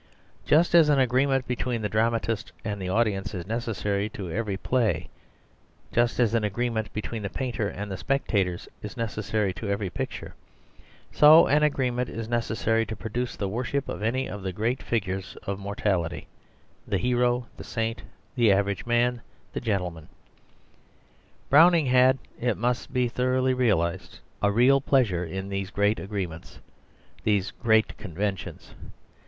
Just as an agreement between the dramatist and the audience is necessary to every play; just as an agreement between the painter and the spectators is necessary to every picture, so an agreement is necessary to produce the worship of any of the great figures of morality the hero, the saint, the average man, the gentleman. Browning had, it must thoroughly be realised, a real pleasure in these great agreements, these great conventions.